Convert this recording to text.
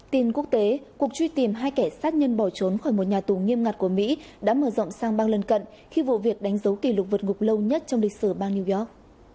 tin quốc tế cuộc truy tìm hai kẻ sát nhân bỏ trốn khỏi một nhà tù nghiêm ngặt của mỹ đã mở rộng sang bang lân cận khi vụ việc đánh dấu kỷ lục vượt ngục lâu nhất trong lịch sử bang new york